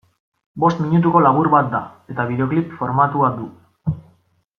Bost minutuko labur bat da, eta bideoklip formatua du.